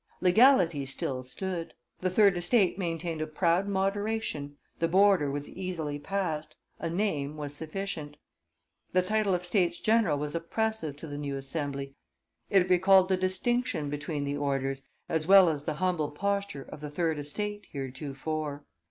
Legality still stood; the third estate maintained a proud moderation, the border was easily passed, a name was sufficient. The title of States general was oppressive to the new assembly, it recalled the distinction between the orders as well as the humble posture of the third estate heretofore.